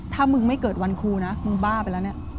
ถ้ามึงไม่เกิดวันครูนะมึงบ้าไปแล้วเนี่ย